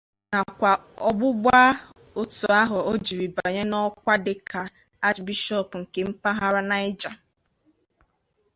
nakwa ọgbụgbà otu ahọ o jiri bànye n'ọkwa dịka Achbishọọpụ nke mpaghara Naịjà.